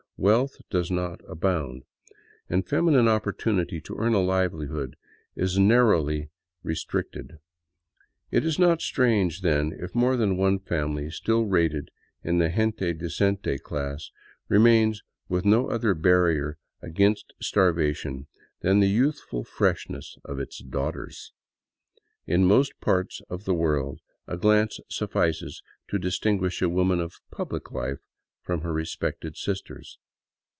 Wealth does not kbound, and feminine opportunity to earn a livelihood is narrowly re iktricted. It is not strange, then, if more than one family still rated in [.he gentle decente class remains with no other barrier against starva ion than the youthful freshness of its daughters. In most parts of the vorld a glance suffices to distinguish a woman of public life from her j'espected sisters.